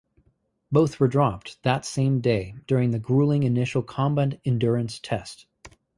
Both were dropped that same day during the grueling initial Combat Endurance Test.